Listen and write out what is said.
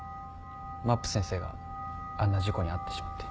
まっぷ先生があんな事故に遭ってしまって。